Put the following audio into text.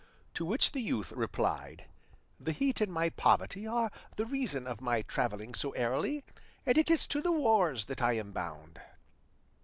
To which the youth replied, "The heat and my poverty are the reason of my travelling so airily, and it is to the wars that I am bound."